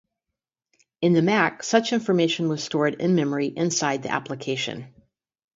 In the Mac such information was stored in memory inside the application.